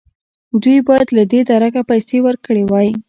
دوی باید له دې درکه پیسې ورکړې وای.